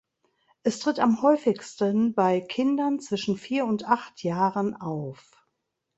Es tritt am häufigsten bei Kindern zwischen vier und acht Jahren auf.